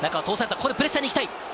ここでプレッシャーに行きたい。